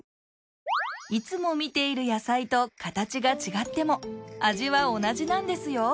いつも見ている野菜と形が違っても味は同じなんですよ。